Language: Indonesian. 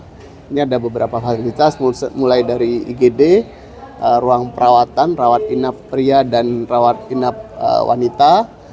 ini ada beberapa fasilitas mulai dari igd ruang perawatan rawat inap pria dan rawat inap wanita